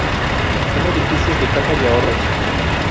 Son edificios de cajas de ahorros.